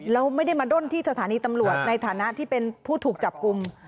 แล้วไม่ได้มาด้นที่สถานีตำรวจในฐานะที่เป็นผู้ถูกจับกลุ่ม